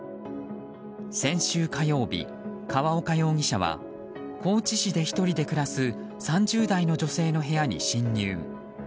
先週火曜日、河岡容疑者は高知市で１人で暮らす３０代の女性の部屋に侵入。